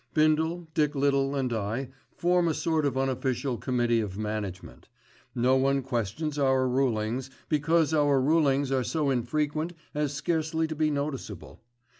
Bindle, Dick Little and I form a sort of unofficial committee of management. No one questions our rulings, because our rulings are so infrequent as scarcely to be noticeable.